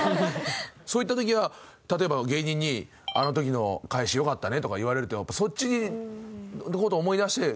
そういった時は例えば芸人に「あの時の返し良かったね」とか言われるとやっぱ。